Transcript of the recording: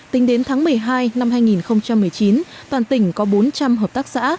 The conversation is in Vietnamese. tính đến tháng một mươi hai năm hai nghìn một mươi chín toàn tỉnh có bốn trăm linh hợp tác xã